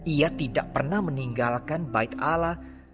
ia tidak pernah meninggalkan baik ala